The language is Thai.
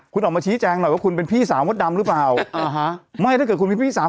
คุณออกมาชี้แจงหน่อยว่าคุณเป็นพี่สาวมดดำหรือเปล่าอ่าฮะไม่ถ้าเกิดคุณมีพี่สาว